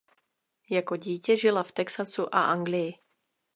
Jako dítě žila v Texasu a Anglii.